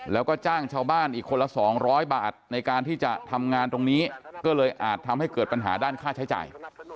แล้วก็จ้างชาวบ้านอีกคนละ๒๐๐บาทในการที่จะทำงานตรงนี้ก็เลยอาจทำให้เกิดปัญหาด้านค่าใช้จ่าย